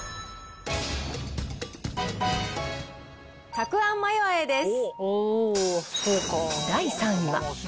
たくあんマヨ和えです。